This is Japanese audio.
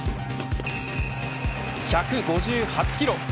１５８キロ。